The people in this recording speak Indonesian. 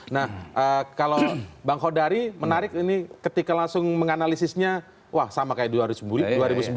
nah kalau bang hodari menarik ini ketika langsung menganalisisnya wah sama kayak